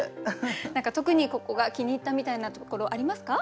何か特にここが気に入ったみたいなところありますか？